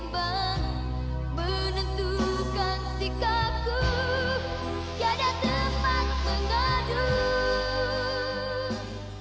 menentukan sikapku tidak teman mengadu